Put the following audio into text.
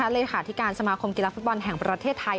เลขาธิการสมาคมกีฬาฟุตบอลแห่งประเทศไทย